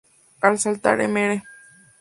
Al saltar, Mr.